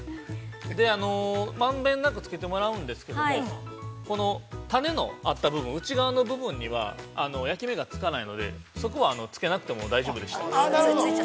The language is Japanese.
◆で、満遍なくつけてもらうんですけども、この種のあった部分内側の部分には、焼き目がつかないので、そこはつけなくても大丈夫です。